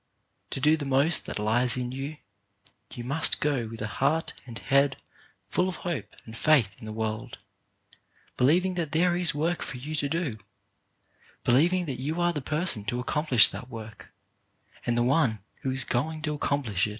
To do the most that lies in you, you must go with a heart and head full of hope and faith in the world, believing that there is work for you to do, believing that you are the person to accomplish that work, and the one who is going to accomplish it.